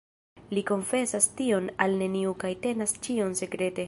Li konfesas tion al neniu kaj tenas ĉion sekrete.